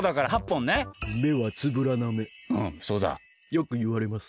よくいわれます。